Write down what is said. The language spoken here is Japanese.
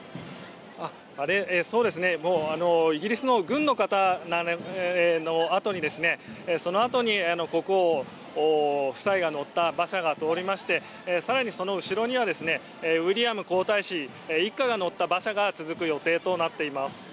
イギリスの軍の方のあとに国王夫妻が乗った馬車が通りまして更にその後ろにはウィリアム皇太子一家が乗った馬車が続く予定となっています。